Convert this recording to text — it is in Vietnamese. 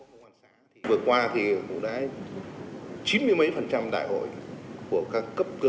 vừa qua thì cũng đã chín mươi mấy phần trăm đại hội của các cấp cơ sở